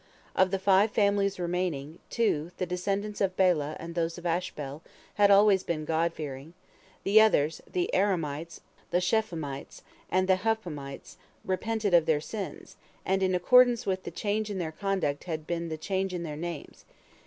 Of the five families remaining, two, the descendants of Bela and those of Ashbel, had always been God fearing; the others, the Ahiramites, the Shephuphamites, and the Huphamites, repented of their sins, and in accordance with the change in their conduct had been the change in their names.